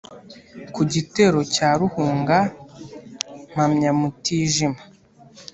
ku gitero cya ruhunga mpamya mutijima.